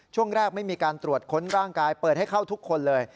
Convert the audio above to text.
ช่วงแรกไม่มีการตรวจค้นร่างกายเปิดให้เข้าทุกคนเลย